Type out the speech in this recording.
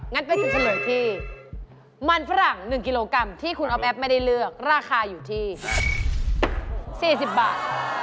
งั้นเป๊กจะเฉลยที่มันฝรั่ง๑กิโลกรัมที่คุณอ๊อฟแอฟไม่ได้เลือกราคาอยู่ที่๔๐บาท